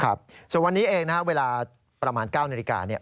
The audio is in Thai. ครับส่วนวันนี้เองนะครับเวลาประมาณ๙นาฬิกาเนี่ย